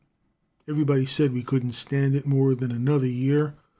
Everybody said we couldn't stand it more than another year.